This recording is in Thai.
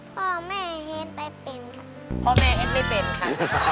พ่อแม่เห็นได้เป็นค่ะพ่อแม่เอ็ดไม่เป็นค่ะ